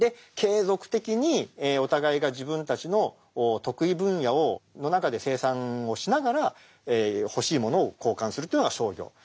継続的にお互いが自分たちの得意分野の中で生産をしながら欲しいものを交換するというのが商業。